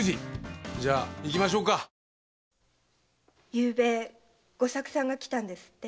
昨夜吾作さんが来たんですって？